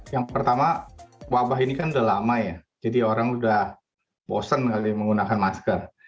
yang pertama wabah ini kan udah lama ya jadi orang udah bosen kali menggunakan masker